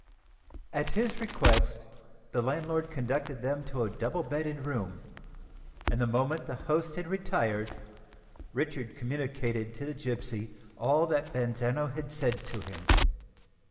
At his request, the landlord conducted them to a double bedded room; and the moment the host had retired, Richard communicated to the gipsy all that Bazzano had said to him.